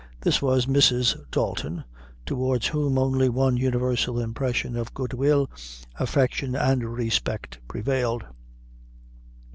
This was Mrs. Dalton, towards whom only one universal impression of good will, affection, and respect prevailed.